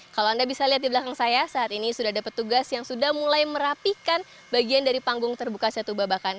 kalau anda bisa lihat di belakang saya saat ini sudah ada petugas yang sudah mulai merapikan bagian dari panggung terbuka setubabakan